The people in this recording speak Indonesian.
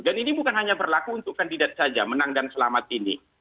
dan ini bukan hanya berlaku untuk kandidat saja menang dan selamat ini